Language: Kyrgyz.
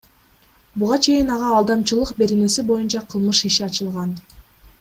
Буга чейин ага Алдамчылык беренеси боюнча кылмыш иши ачылган.